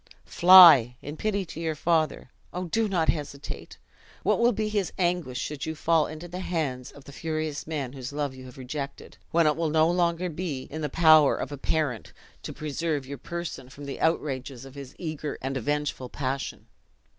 "Fly, in pity to your father! Oh, do not hesitate! What will be his anguish, should you fall into the hands of the furious man whose love you have rejected; when it will no longer be in the power of a parent to preserve your person from the outrages of his eager and avengeful passion!